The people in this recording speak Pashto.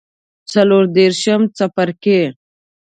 څلور دیرشم څپرکی